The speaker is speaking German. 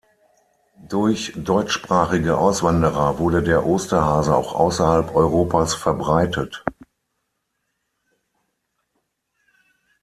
Durch deutschsprachige Auswanderer wurde der Osterhase auch außerhalb Europas verbreitet.